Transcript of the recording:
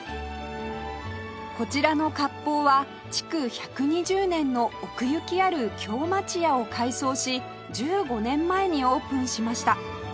こちらの割烹は築１２０年の奥行きある京町家を改装し１５年前にオープンしました